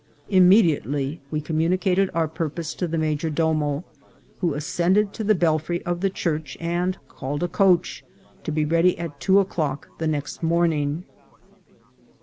Immediately we communicated our purpose to the major domo, who ascended to the belfry of the church and called a coach, to be ready at two o'clock the next morning.